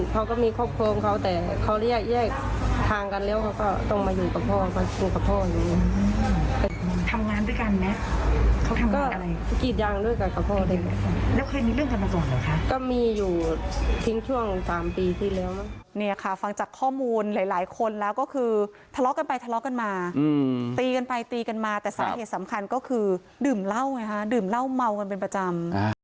หลายคนแล้วก็คือทะเลาะกันไปทะเลาะกันมาตีกันไปตีกันมาแต่สาเหตุสำคัญก็คือดื่มเหล้าดื่มเหล้าเมากันเป็นประจำ